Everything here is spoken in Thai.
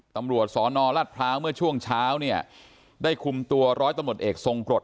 ตำรวจสอนอรัฐพร้าวเมื่อช่วงเช้าเนี่ยได้คุมตัวร้อยตำรวจเอกทรงกรด